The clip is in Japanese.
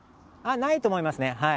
ないと思いますね。